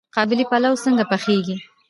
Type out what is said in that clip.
قابلي پلاو څنګه پخیږي؟